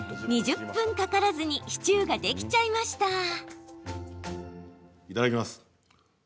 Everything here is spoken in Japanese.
２０分かからずにシチューができちゃいました。